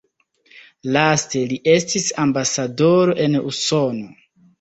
Laste li estis ambasadoro en Usono.